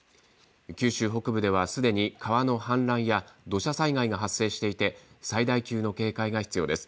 九州北部ではすでに川の氾濫や土砂災害が発生していて最大級の警戒が必要です。